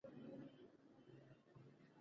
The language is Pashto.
دوی به یوه خبره په اتفاق تصدیق کړي.